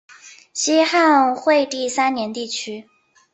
西汉惠帝三年地区。